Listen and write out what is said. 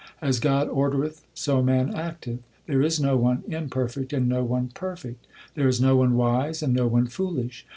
As God ordereth so man acteth. There is no one imperfect and no one perfect ; There is no one wise and no one foolish.